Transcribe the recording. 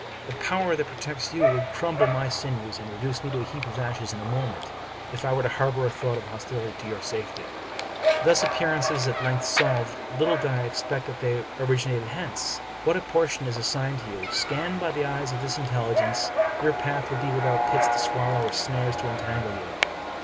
The power that protects you would crumble my sinews and reduce me to a heap of ashes in a moment, if I were to harbor a thought hostile to your safety. " Thus are appearances at length solved. Little did I ex pect that they originated hence. What a portion is assigned to you ! Scanned by the eyes of this intelligence, your path will be without pits to swallow or snares to entangle you.